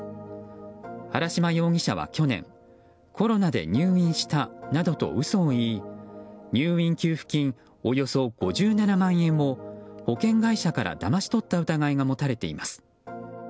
原島容疑者は去年コロナで入院したなどと嘘を言い入院給付金およそ５７万円を保険会社からだまし取った疑いが持たれています。